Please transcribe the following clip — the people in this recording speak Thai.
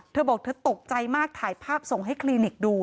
เธอบอกเธอตกใจมากถ่ายภาพส่งให้คลินิกดู